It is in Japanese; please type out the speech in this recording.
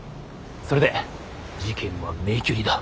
それで事件は迷宮入りだ。